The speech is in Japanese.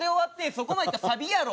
そこまでいったらサビやろ。